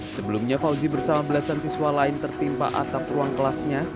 sebelumnya fauzi bersama belasan siswa lain tertimpa atap ruang kelasnya